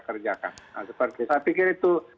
kerjakan saya pikir itu